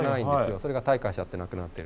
それが退化しちゃってなくなってる。